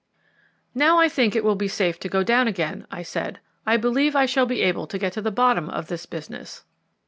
"Now I think it will be safe to go down again," I said. "I believe I shall be able to get to the bottom of this business."